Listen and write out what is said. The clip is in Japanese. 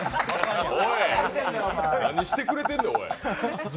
なにしてくれてんねんおい！